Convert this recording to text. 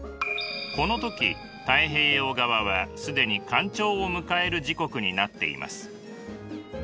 この時太平洋側は既に干潮を迎える時刻になっています。